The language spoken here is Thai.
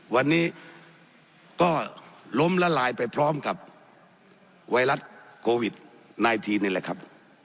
วันนี้ก็ล้มละลายไปพร้อมกับไวรัสโควิด๑๙นี่แหละครับ